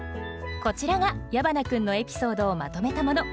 こちらが矢花君のエピソードをまとめたもの。